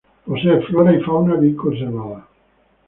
Posee flora y fauna bien conservada.